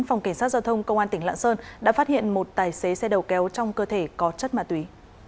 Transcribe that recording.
phòng cảnh sát giao thông công an tỉnh lạng sơn đã phát hiện một tài xế xe đầu kéo trong cơ thể có chất ma túy